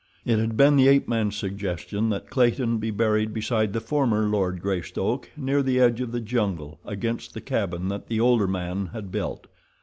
It had been the ape man's suggestion that Clayton be buried beside the former Lord Greystoke near the edge of the jungle against the cabin that the older man had built.